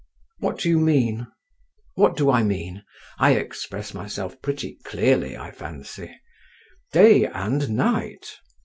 "What do you mean?" "What do I mean? I express myself pretty clearly, I fancy. Day and night.